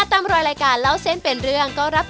ถูกต้องนะ